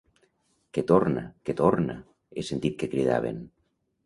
Que torna, que torna…, he sentit que cridaven.